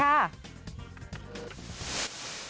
นักทดนักดีรัก